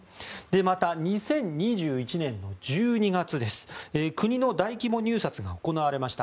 また、２０２１年の１２月国の大規模入札が行われました。